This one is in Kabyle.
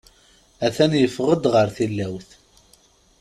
A-t-an yeffeɣ-d ɣer tilawt.